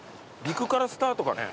陸からスタートかね？